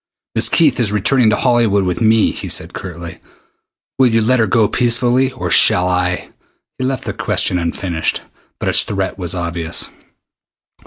"Miss Keith is returning to Hollywood with me," he said curtly. "Will you let her go peaceably, or shall I ?" He left the question unfinished, but its threat was obvious.